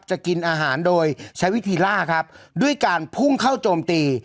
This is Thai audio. จะกินอาหารโดยใช้วิธีล่าครับด้วยการพุ่งเข้าโจมตี